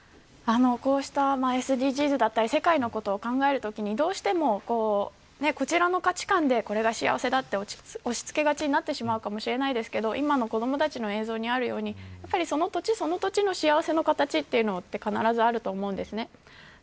こうしたＳＤＧｓだったり世界のこと考えるときにどうしてもこちらの価値観でこれが幸せだと押し付けがちになっちまうかもしれませんが今の子どもたちの映像にあるようにその土地、その土地の幸せの形はあると思うんですね。